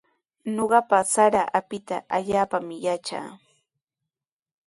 Ñuqaqa sara apita allaapami yatraa.